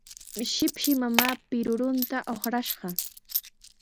Shipshi mamaa pirurunta uqrashqa.